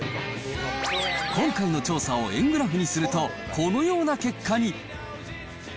今回の調査を円グラフにすると、このような結果に。